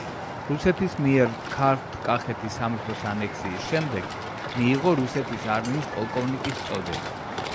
რუსეთის მიერ ქართლ-კახეთის სამეფოს ანექსიის შემდეგ მიიღო რუსეთის არმიის პოლკოვნიკის წოდება.